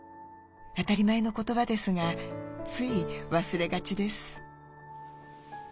当たり前の言葉ですがつい忘れがちです。